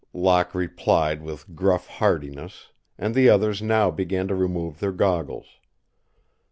Locke replied with gruff heartiness, and the others now began to remove their goggles.